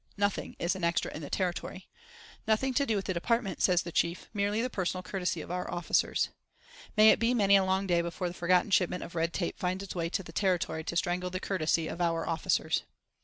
Nothing IS an extra in the Territory. "Nothing to do with the Department," says the chief; "merely the personal courtesy of our officers." May it be many a long day before the forgotten shipment of red tape finds its way to the Territory to strangle the courtesy of our officers!